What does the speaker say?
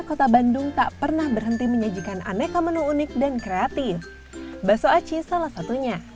kota bandung tak pernah berhenti menyajikan aneka menu unik dan kreatif